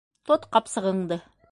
Тот ҡапсығыңды!